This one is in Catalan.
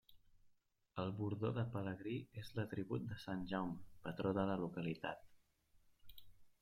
El bordó de pelegrí és l'atribut de sant Jaume, patró de la localitat.